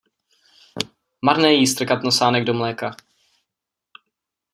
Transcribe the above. Marné jí strkat nosánek do mléka.